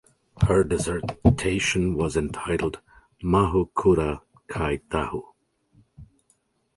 Her dissertation was entitled "Mahu Kura Kai Tahu".